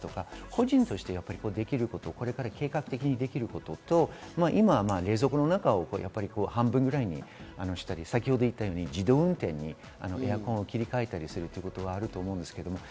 個人としてできること、これから計画的にできることと今、冷蔵庫の中を半分ぐらいにしたり、自動運転にエアコンを切り替えたりするということがあります。